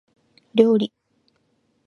料理